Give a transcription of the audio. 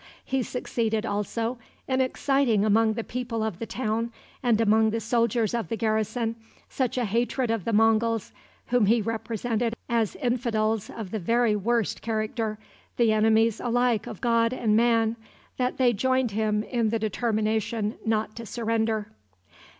He succeeded, also, in exciting among the people of the town, and among the soldiers of the garrison, such a hatred of the Monguls, whom he represented as infidels of the very worst character, the enemies alike of God and man, that they joined him in the determination not to surrender.